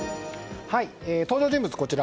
登場人物、こちら。